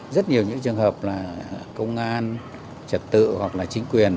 rất nhiều những trường hợp là công an trật tự hoặc là chính quyền